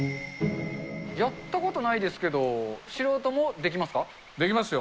やったことないですけど、できますよ。